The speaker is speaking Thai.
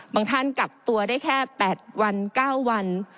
ท่านกักตัวได้แค่๘วัน๙วัน